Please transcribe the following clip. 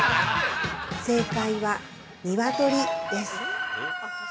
◆正解は、ニワトリです。